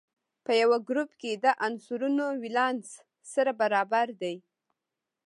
په یوه ګروپ کې د عنصرونو ولانس سره برابر دی.